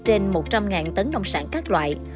trên một trăm linh tấn nông sản các loại